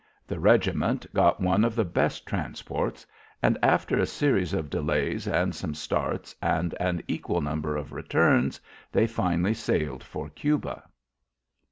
The regiment got one of the best transports, and after a series of delays and some starts, and an equal number of returns, they finally sailed for Cuba.